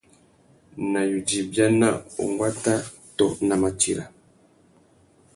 Nà yudza ibiana, unguata tô nà matira.